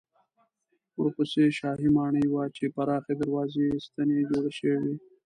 ورپسې شاهي ماڼۍ وه چې پراخې دروازې یې ستنې جوړې شوې وې.